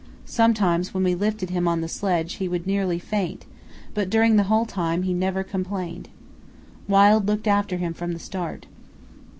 Sometimes when we lifted him on the sledge he would nearly faint, but during the whole time he never complained. Wild looked after him from the start.